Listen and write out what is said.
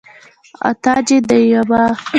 او تاج يي ديما